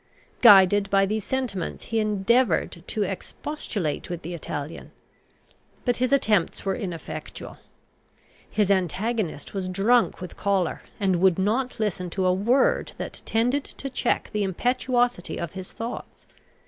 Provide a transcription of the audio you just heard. Guided by these sentiments, he endeavoured to expostulate with the Italian. But his attempts were ineffectual. His antagonist was drunk with choler, and would not listen to a word that tended to check the impetuosity of his thoughts.